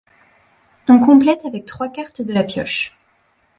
On complète avec trois cartes de la pioche.